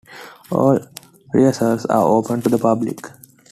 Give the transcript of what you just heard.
All rehearsals are open to the public.